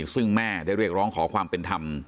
ซึ่งแม่ได้เรียกร้องขอความเป็นธรรม